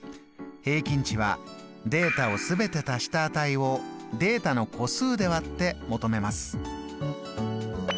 平均値はデータを全て足した値をデータの個数で割って求めます。